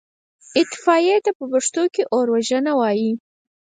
اطفائيې ته په پښتو کې اوروژنه وايي.